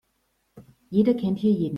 Jeder kennt hier jeden.